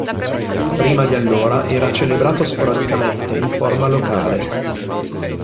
Prima di allora era celebrato sporadicamente, in forma locale.